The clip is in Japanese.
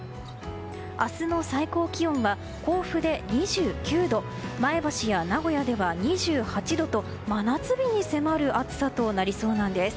明日の最高気温は甲府で２９度前橋や名古屋では２８度と真夏日に迫る暑さとなりそうです。